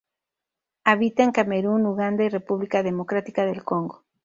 Habita en Camerún, Uganda y República Democrática del Congo.